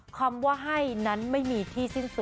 คำว่าให้นั้นไม่มีที่สิ้นสุด